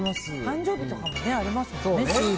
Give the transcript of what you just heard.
誕生日とかもありますもんね。